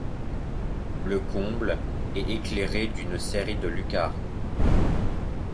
Le comble est éclairé d'une série de lucarnes.